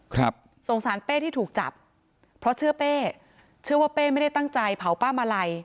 สงสารเป้ที่ถูกจับเพราะเชื่อเป้เชื่อว่าเป้ไม่ได้ตั้งใจเผาป้ามาลัย